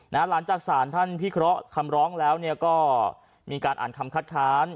หลังจากสารท่านพิเคราะห์คำร้องก็อ่านคำคัดท้าน